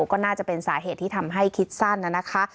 ก็น่าจะเป็นสาเหตุที่ทำให้คิดสั้นนะคะ